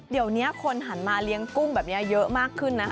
เดี๋ยวนี้คนหันมาเลี้ยงกุ้งแบบนี้เยอะมากขึ้นนะคะ